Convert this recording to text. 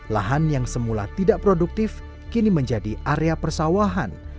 lahan yang semula tidak produktif kini menjadi area persawahan